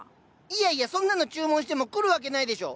いやいやそんなの注文しても来るわけないでしょ？